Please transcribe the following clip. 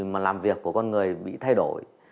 mà làm việc của con người bị thay đổi